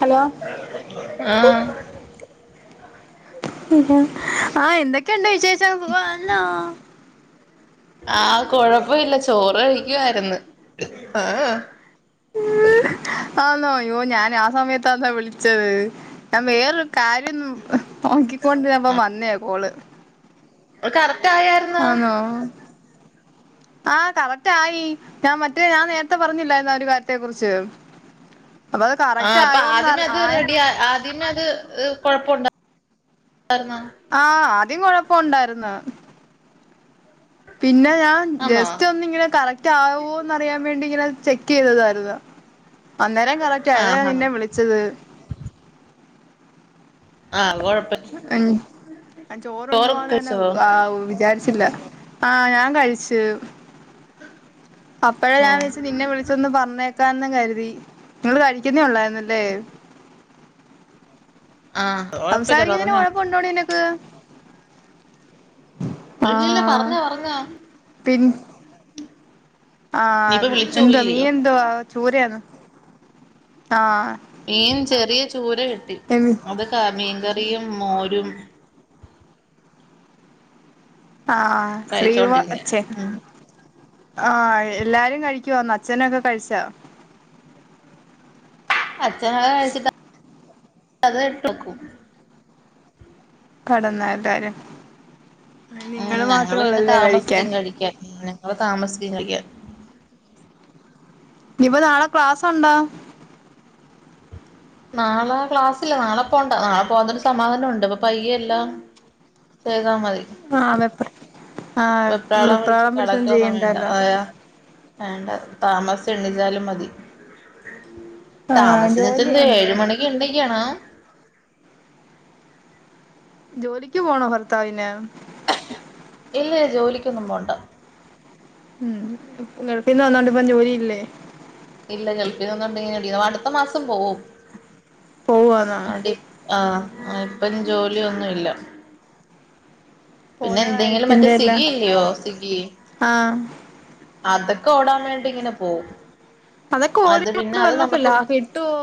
Hello, ആഹ് ആഹ് എന്തൊക്കെയ്ണ്ട് വിശേഷം സുഖാന്നോ? ആഹ് കൊഴപ്പ ഇല്ല ചോറ് കഴിക്ക് വാര്ന്ന് ഏഹ് ആന്നോ യോ ഞാൻ ആ സമയത്താന്നാ വിളിച്ചത് ഞാൻ വേറെ കാര്യം നോക്കിക്കൊണ്ടിര്ന്നപ്പം വന്നയാ കോള് അഹ് കറ ആന്നോ ആഹ് കറക്ട് ആയി. ഞാൻ മറ്റേ ഞാൻ നേരത്തെ പറഞ്ഞില്ലായ്ന്നോ ഒരു കാര്യത്തെ കുറിച്ച് അപ്പൊ അത് ആഹ് കറക്റ്റ് അപ്പ ആയോന്ന് ആദ്യമേ അത് ആയ റെഡി ആദ്യമേ അത് ഹ് കൊഴപ്പുണ്ട ആഹ് ആദ്യം കൊഴപ്പോണ്ടാര്ന്ന്. പിന്നെ ഞാൻ ആന്നോ ജസ്റ്റ് ഒന്ന് ഇങ്ങനെ കറക്റ്റ് ആവോന്ന് അറിയാൻ വേണ്ടി ഇങ്ങനെ ചെക്ക് ചെയ്തതായര്ന്ന് അന്നേരം കറക്റ്റ് ആയതാ അതാ ആഹ് ആഹ് നിന്നെ വിളിച്ചത്. ആഹ് കൊഴപ്പ ഇൻ ഞാൻ ചോറൊക്കെ ചോറണ്ണുവാന്നന്നെ കഴിച്ചോ വാവ് വിചാരി ച്ചില്ല ആഹ് ഞാൻ കഴിച്ച് അപ്പഴാ ഞാൻ ഉം വിയച്ച് നിന്നെ വിളിച്ചൊന്ന് പറഞ്ഞേ ക്കാന്ന് കരുതി നിങ്ങൾ കഴിക്കുന്നേ ഉള്ളായിന്നല്ലേ ആഹ് കൊഴപ്പില്ല സംസാരിക്കുന്നേന് പറഞ്ഞോ കൊഴപ്പുണ്ടോടി നിനക്ക്? ഇല്ലില്ല ആഹ് പറഞ്ഞോ പറഞ്ഞോ പിൻ നീയിപ്പ ആഹ് വിളിച്ചു എന്തോ മീൻ പോയില്ലയോ എന്ത് വാ ചൂരയാന്നോ ആഹ് മീൻ ചെറിയ ചൂര കിട്ടി എമി അത് ക മീൻകറിയും മോരും ആഹ് സ്ലീവ കഴിച്ചോണ്ടിരുന്നേ ച്ചേ ഉം ആഹ് എല്ലാരും കഴിക്കുവാന്നോ അച്ഛനൊക്കെ കഴിച്ചോ അച്ഛങ്ങള് കഴിച്ചി [unintelligible] അത് ഇട്ട് വെക്കും കടന്നാ എല്ലാരും ഉം നിങ്ങള് മാത്രേ ഞങ്ങള് പിന്നെ ഒള്ളല്ലേ താമസിക്കും കഴിക്കാൻ ഞങ്ങള് താമസിക്കും കഴിക്കാൻ ഞ്ഞിപ്പോ നാളെ ക്ലാസുണ്ടോ നാളെ ക്ലാസ്സില്ല നാളെ പോണ്ട നാളെ പോകാത്തൊണ്ട് സമാധാനണ്ട് പ്പ പയ്യെല്ലാം ചെയ്ത മതി ആ വെ വെപ്രാളം പിടിച്ച് പിടിച്ചൊന്നും കെടക്കൊന്നും വേണ്ട ചെയ്യണ്ടല്ലോ അയാ വേണ്ട താമസം എണ്ണിച്ചാലും മതി ആഹ് താമസിച്ച് ജോലി ച്ച ഏയ് എന്തുവാ മണിക്ക് ണ്ടെ ക്കണം ജോലിക്ക് പോണോ ഭർത്താവിന് ഇല്ല ജോലിക്കൊന്നും പോണ്ട ഉം ഗള്ഫിന് വന്നോണ്ട് ഇപ്പ ജോലിയില്ലേ ഇല്ല ഗള്ഫിന് വന്നൊണ്ട് ഇങ്ങനെരിക്കുന്നു അടുത്ത മാസം പോവും പോവാന്നോ അതി ആഹ് ഇപ്പം ജോലിയൊന്നുല്ല പിന്നെ പോന്ന എന്തെങ്കിലും മറ്റേ കാര്യത്തിന്റെ എല്ലാം സ്വിഗി ഇല്ലയോ സ്വിഗി ആഹ് അതൊക്കെ ഓടാൻ വേണ്ടി ഇങ്ങനെ പോവും അതൊക്കെ അത് പിന്നെ ഓടിക്കൊണ്ട് അത് വല്ലൊക്കെ നമ്മുക്ക് ലാ കിട്ടുവോ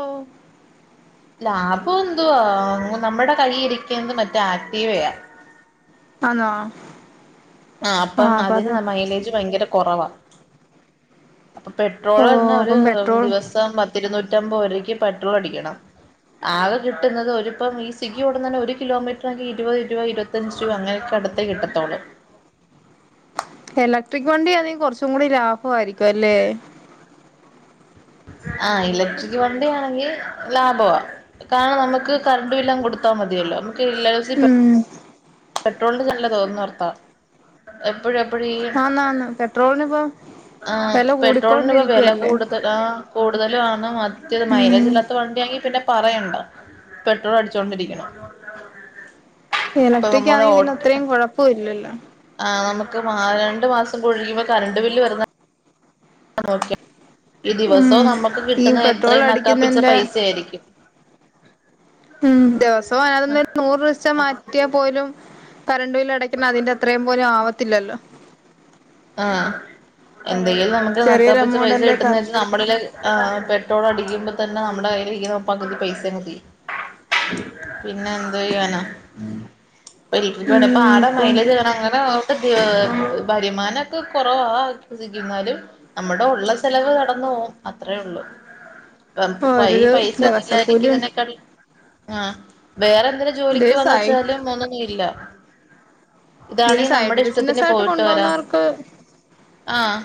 ലാ ഇപ്പൊ എന്തുവാ നമ്മുടെ കയ് ഇരിക്കുന്നത് മറ്റേ ആക്റ്റീവയാ ആണോ ആ അപ്പം അതിന് മൈലേജ് ഭയങ്കര കുറവാ അപ്പൊ പെട്രോള് ഓഹ് എന്ന ഒരു അപ്പം പെട്രോളും ദിവസം പത്തിരുന്നൂറ്റ അമ്പത് രുപക് പെട്രോൾ അടിക്കണം ആകെ കിട്ടുന്നത് ഒരിപ്പം ഈ സിഗി ഉടന്ന് തന്നെ ഒരു കിലോമീറ്റർനെ ഇരുപത് രൂപ ഇരുപത്തിഞ്ച് രൂപ അങ്ങനെയൊക്ക അടുത്തെ കിട്ടത്തോൾ എലക്ട്രിക് വണ്ടി അണെ കൊറച്ചും കൂടി ലാഭമായിരിക്കും അല്ലേ അഹ് ഇലക്ട്രിക് വണ്ടി അണെങ്കിൽ ലാഭവാ കാരണം നമുക്ക് കറണ്ട് ബില്ലാ കൊടുത്താ മതിയല്ലോ നമുക്ക്സി ഉം പെട്രോളിന്റെ നല്ല തോന്ന് വർത്ത ന്ന ന്ന പെട്രോൽ നിപ്പോ ആ പെട്രോളിന്റെ ഇപ്പോ വില കൂടുതൽ ആ കു കൂടുതലും ആണ് മറ്റേത് മൈലേജ് ഉം ഇല്ലാത്ത വണ്ടിയാണങ്കിൽ പിന്നെ പ പറയണ്ട പെട്രോൾ അടിച്ചൊണ്ടിരിക്കണം ഇലക്ട്രിക്ക ആണെങ്കി പിന്നെ അത്രേയും കുഴപ്പോല്ലല്ലോ ആ നമുക്ക് മാ രണ്ടു മാസംഴുകുമ്പോ കരണ്ട് ബില്ല് വരുന്ന [unintelligible] ഈ ഉം ദിവസവും നമ്മുക്ക് ഈ കിട്ടുന്ന പെട്രോൾ എത്രയും നക്കാപ്പിച്ച അടിക്കുന്നതിന്റെ പൈസയായിരിക്കും ഉം ദിവസം അനതൊന്ന് നൂറ് ദിവസം മാറ്റിയാ പോലും കരണ്ട് ബില്ല് അടക്കണ അതിന്റെ അത്രയും പോലും ആവത്തില്ലല്ലോ അഹ് കൊറേ എന്തെങ്കിലും നമുക്ക് ചെറിയൊരു നക്കാപ്പിച്ച എമൗണ്ട് പൈസ അല്ലേ കിട്ടുന്ന കറ വെച്ചാൽ നമ്മളിൽ പെട്രോൾ അടിക്കുബോ തന്നെ നമ്മുടെ കയ്യിൽ ഇരിക്കന്നെ പകുതി പൈസ കയ്യു പിന്നെ എന്തു ചെയ്യുവാന ഇപ്പൊ ഉം ആട ഇപ്പം മൈലേജ് വേണം അങ്ങനെ് [unintelligible] വരുമാനം ക്ക് കുറവ സിക്കുന്നാലും നമ്മുടെ ഉള്ള ചെലവ് നടന്നു പോും അത്രേ ഉള്ളു [inaudible] ക്ക് ഒരു ഈ പൈസ ദിവസക്കൂലി ഔന്നോഇല്ലായിരിക്കുന്നെ കാളും ആ വേറെ എന്തേലും ജോലിക്കുന്ന് ദിവസായി വെച്ചാലും ഒന്നൊന്നും ഇല്ല ഇതൊരു ഇതാണി സൈഡ് നമ്മുടെ ബിസിനസ് ഇഷ്ടത്തിന് ആയിട്ട് പോയിട്ട് വരാം കൊണ്ടുപോകുന്നവർക്ക് അഹ്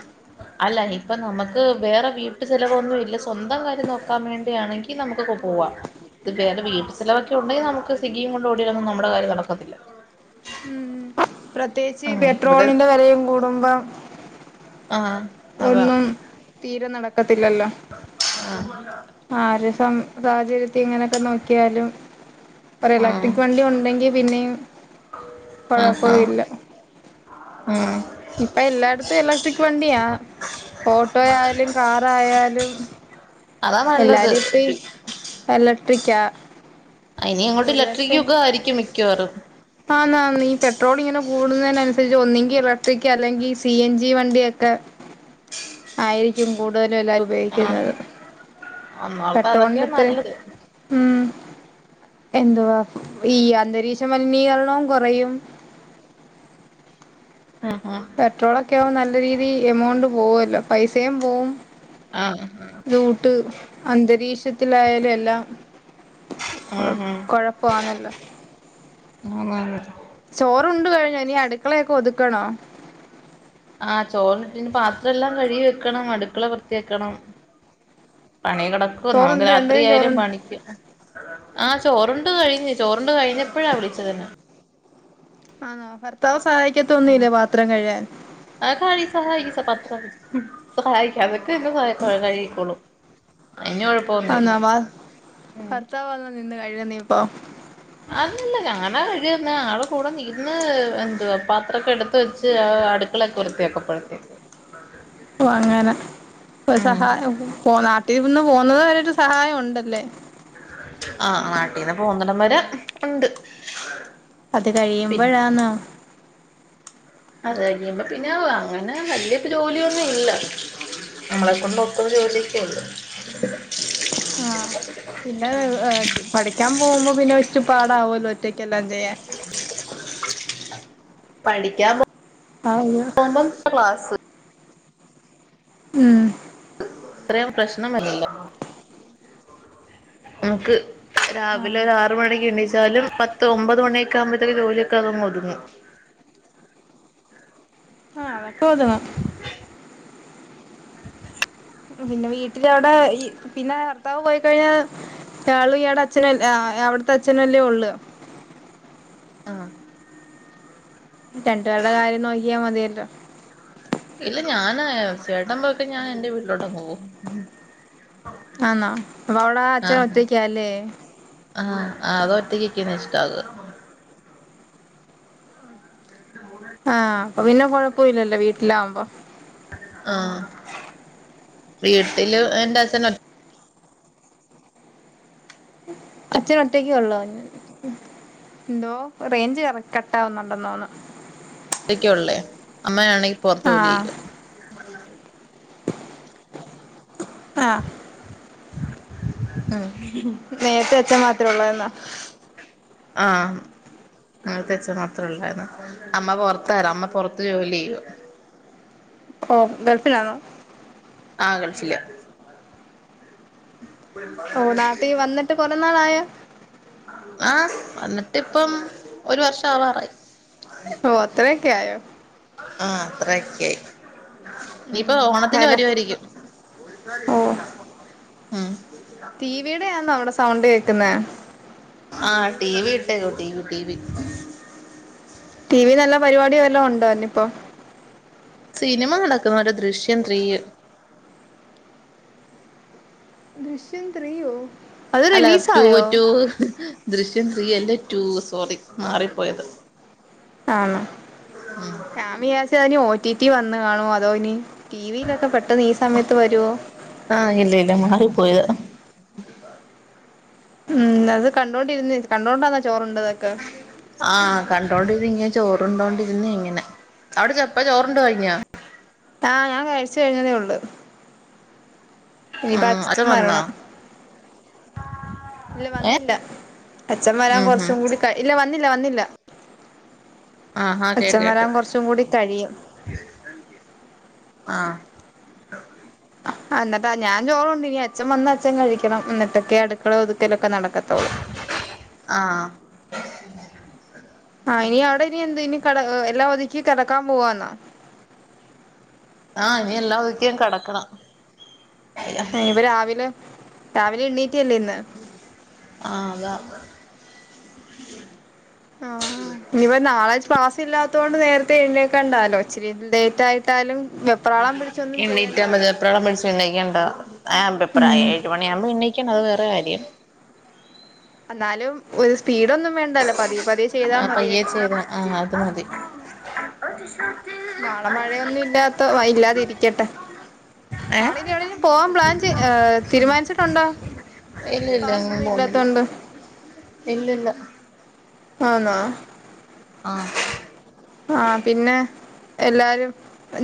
അല്ല ഇപ്പം നമുക്ക് വേറെ വീട്ടു ചിലവൊന്നും ഇല്ല സ്വന്തം കാര്യം നോക്കാൻ വേണ്ടിയാണെങ്കിൽ നമുക്ക് ഇപ്പൊ പോകാം വം ഇത് വേറെ വീട് ചിലവൊക്കെ ഉണ്ടെങ്കിൽ നമുക്ക് സിഗിയും കൊണ്ട് ഓടിയാളൊന്നും നമ്മുടെ കാര്യം നടക്കത്തില്ല ഉം പ്രത്യേകിച്ച് അങ്ങനെ ഇവിടെ പെട്രോളിന്റെ വിലയും കൂടുമ്പം ആഹ് അതാ ഒന്നും തീരെ നടക്കത്തില്ലല്ലോ ആഹ് ആര് തം സാഹചര്യ ഇങ്ങനൊക്കെ നോക്കിയാലും ആഹ് പറയല്ലെപ്പിൻക്ക് വണ്ടി ഉണ്ടെങ്കി പിന്നെയും ആഹാ കൊഴപ്പമില്ല ഉം ഇപ്പഎല്ലായ്ട്ത്തും എലക്ട്രിക് വണ്ടിയാ ഓട്ടോയാലും കാറായാലും അതാ നല്ലത് എല്ലാരും ഇപ്പിഎലക്ട്രിക്ക്യാ ഇനി അങ്ങോട്ട് ഇലട്രിക്ക് ക്കൊക്കെ യായിരിക്കും മിക്കവാറും ആന്ന് ആന്ന്ഈ പെട്രോളി ങ്ങനെ കൂടുന്നതിനനുസരിച്ച് ഒന്നെങ്കിൽ ഇലക്ട്രിക് അല്ലെങ്കിൽ സി എൻ ജി വണ്ടി ക്കെ ആയിരിക്കും കൂട്തലും എല്ലാരും ആഹ് ഉപയോഗിക്കുന്നത് ഒന്നോർത്ത പെട്രോളിന്റെ അതൊക്കെയാ ഇത്തരെ നല്ലത് ഉം എന്തുവാ ഈ അന്തരീക്ഷ മലിനീകരണവും കുറയും ഉം ഉം പെട്രോളൊക്കെ യാകും നല്ല രീതി എമൗണ്ട് പോവോല്ലോ പൈസയും പോവും ആഹ് ഉം ലൂട്ട് അന്തരീക്ഷത്തിലായാലും എല്ലാം കൊഴ ഉം കൊഴപ്പാന്നല്ലോ [unintelligible] ചോറുണ്ട് കഴിഞ്ഞോ ഇനി അടുക്കളയൊക്കെ ഒതുക്കണോ ആ ചോറ്ണ്ട്ട്ട് ഇനി പാത്രെല്ലാം കഴുകി വെക്കണം അടുക്കള വൃത്തിയാക്കണം പണി കെടക്ക നമ്ക്ക് ചോറുണ്ട് രണ്ടുപേരും രാത്രിയായാലും ചോറുണ്ട് പണിക്ക് ആ ചോറുണ്ട് കഴിഞ്ഞ് ചോറുണ്ട് കഴിഞെപ്പഴാ വിളിച്ചതെന്നെ ആന്നോ ഭർത്താവ് സഹായിക്കത്തൊന്നുമില്ലേ പാത്രം കഴുകാൻ [unintelligible] സഹായിക്ക [unintelligible] കഴികിക്കോളും [unintelligible] ഉം ഭർത്താവാന്നൊ നിന്ന് കഴുകെന്നേപ്പോ അത്ന്ന്ല്ല ഞാനാ കഴ്കിട്ന്നെ ആള് കൂടേനിന്ന് എന്ത് വാ പാത്രൊക്കെ എടുത്ത് വെച്ച് ആട്ക്കളൊക്കെ വൃത്തിയാക്കപ്പോഴക്ക്- ഓഹ് അങ്ങനെ ഒരു ഉം സഹായംപോ നാട്ടിൽന്നും- പോന്നത് വരെരു സഹായം ഒണ്ടല്ലേ ആഹ്ആഹ് നാട്ടീന്ന് പോന്നടം വരെ ഒണ്ട്- അത് കഴിയുമ്പഴാന്നൊ- അത് കഴിയുമ്പം പിന്നെ അങ്ങനെ വല്യ ജോലിയൊന്നു ഇല്ല- നമ്മളെ കൊണ്ട് ഒക്കുന്ന ജോലിയൊക്കെഒള്ളു- ആഹ് പിന്നെ അ പഠിക്കാ പോകുമ്പോ പിന്നെ ഇച്ചിരി പാ ടാവു ഒറ്റക്കെല്ലാം ചെയ്യാൻ- പഠിക്കാൻ പോ ആഹ് പോകു മ്പംക്ലാസ്സ്- മ് ഹ് ഇത്രേം പ്രശ്നമല്ലല്ലോ? നമുക്ക് ആഹ് രാവിലൊരു ആർ മണിക്ക് എണീച്ചാലും പത്ത് ഒമ്പത് മണിയൊക്കെ ആവുമ്പോഴത്തേൻ ജോലിയൊ അതങ്ങ് ഒതുങ്ങും- ആഹ് അതൊക്കൊഒത്ങ്ങും- [inaudible] പിന്നെ വീട്ടിലവിടെ പിന്നെ ഭർത്താവ് പോയിക്കഴിഞ്ഞാൽ- ഇയാള് ഇയാടെ അച്ഛനല്ലെ അ്ആ അവിട്ത്തെ അച്ഛനല്ലേ ഒള്ള്- ആഹ് - രണ്ട്പേരടെ കാര്യം നോക്കിയാ മതിയല്ലൊ? ഇല്ല ഞാന് ചേട്ട പൊക്കഴിഞാ ഞാനെൻ്റെ വീട്ടിലോട്ടങ്ങ്പോവും- ആന്നോ അപ്പൊ അവിടെ അച്ഛൻ ആഹ് ഒറ്റക്കാല്ലേ ആഹ് ആളൊറ്റക്ക് ക്കിക്കാനാഷ്ട [unintelligible] ആഹ് അപ്പ പിന്നെ കൊഴപ്പവില്ലല്ലോ വീട്ടിലാവുമ്പം- ആഹ് വീട്ടില് എന്റെ അച്ഛനൊറ്റ അച്ഛൻ ഒറ്റക്കേയുള്ളോ ഇന്ന് എന്തോ റേഞ്ച് കറ കട്ടാവുന്നുണ്ടന്നോന്ന് തോനുന്നു ക്കെയൊള്ളേയാ അമ്മയാണെങ്കി പൊറത്ത് ജോലി ആഹ് ചെയ്യുക ആഹ് മ് നേരത്തെ അച്ച്ചൻ മാത്രേ ഉള്ളാരുന്നോ ആഹ് നേരുത്തെ അച്ഛൻ മാത്രള്ളായിരുന്നു അമ്മ പൊറത്തായിരുന്നു അമ്മ പൊറത്ത് ജോലി ചെയ്യുവാ ഓ ഗൾഫിലാണോ ആ ഗൾഫില് ഓ നാട്ടി വന്നിട്ട് കുറെ നാളായൊ ആ വന്നിട്ടപ്പോ ഒരു വർഷം ആവാറായി അത്രയൊക്കെയായോ ആ അത്രയെക്കായി ഇനിപ്പൊ ഉം ഓണത്തിന് വലെ വരുമായിരിക്കും ഉം ടിവടെയാനോ അവിടെ സൗണ്ട് കേക്കുന്നെ ആ ടി വി ഇട്ടേക്കോ T V T V T V നല്ല പരിപാടിയ വല്ലാം ഉണ്ടോ? അന്ന ഇപ്പോ സിനിമ നടക്കുന്ന ഒരു ദൃശ്യംത്രീ ദൃശ്യം ത്രീയോ? അത് അല്ല ടു റിലീസായോ ടുവ് ദൃശ ത്രീ അല്ലേ ടു സോറി മാറിപ്പോയത് ആണ ഞാൻ വിചാരിച്ചു അന് ഓ ടി ടി വന്നു കാണുമ അതോ ഇനി ടിവിയിലൊക്കെ പെട്ടെന്ന് ഈ സമയത്ത് വരുവോ ആഹ് ഇല്ല ഇല്ല മാറിപ്പോയതാ ഉം അത് കണ്ടോണ്ടിരുന്നേ കണ്ടുകോണ്ടന്ന ചോറണ്ട് ആ! കണ്ടോണ്ടി ചോറണ്ടോണ്ടിരുന്ന ഇങ്ങനെ അവിടെ ചപ്പാ ചോറണ്ട് കഴിഞ്ഞാ ആ ഞാൻ കഴിച്ച കഴിഞ്ഞതേ ഉള്ളു ഇനിയിപ്പ ഉം അച്ഛൻ വന്നോ വരണം ഇല്ല ഏഹ് വന്നില്ല അച്ഛന്മാരാൻ ഉം ഉം കൊറച്ചും കൂടി ഇല്ല വന്നില്ല വന്നില്ല ആഹാ കേട്ട് അച്ഛൻ കേട്ട് വരാൻ കുറച്ചും കൂടി കഴിയും ആ എന്നിട്ട് ഞാൻ ചോറുണ്ട് ഇനി അച്ഛൻ വന്ന അച്ഛൻ കഴിക്കണം എന്നിട്ടൊക്കെ അടുക്കള ഒതുക്കലെ ആ.. ആഹ് ഇനി അവിടെ ഇനി എന്ത് ഇനി കട എല്ലാ ഒതിക്ക കിടക്കാൻ പോവാന്നാ ആ ഇനി എല്ലാം ഒതുക്കി കിടക്കണം ഇപ്പ രാവിലെ രാവിലെ എണ്ണീ- ആ... അതാ ആ ഇനിപ്പോ നാളാ ക്ലാസ് ഇല്ലാത്തത് കൊണ്ട് നേരത്തെ എഴണേക്കണ്ടാലോ ഇച്ചരി ലേറ്റ് ആട്ട് എാലും വെപ്രാളം പിടിച്ചൊന്നും എണ്ണീറ്റാമതി ചെയ്യണ്ടാലോ എപ്പഴാ പിടിച്ച് എണീക്കണ്ട ആ അഭിപ്രായം ഉം ഏഴ് മണിയാകുമ്പോൾ ഇണ്ണീക്കണം അത് വേറെ കാര്യം എന്നാലും ഒരു സ്പീഡ ഒന്നും വേണ്ടല്ല ആ പയ്യേ ചെയ്ത ആ അത് മതി നാളെ മഴയൊന്നും ഇല്ലാത്ത ഇല്ലാതിരിക്കട്ടെ ഏ നാളിനിന എവിടെലും പോവാൻ പ്ലാൻ ചെയ തീരുമാനിച്ചിട്ടുണ്ടോ ഇല്ല ഇല്ല പാസൊന്നും ഇല്ലാത്തോണ്ട് ഇല്ല ഇല്ല ആനോ ആ.. ആ! പിന്നെ എല്ലാരും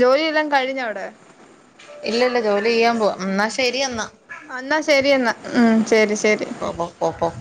ജോലില്ലാം കഴിഞ്ഞ അവിടെ ഇല്ല ഇല്ല ജോലി ചെയ്യാൻ പോവാ എന്നാ ശരി എന്നാ. എന്നാ ശരി എന്നെന്നാ ഉം ശരി ശരി പോ പോ പോ പോ